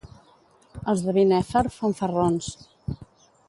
Els de Binèfar, fanfarrons.